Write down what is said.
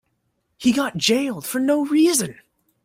He got jailed for no reason.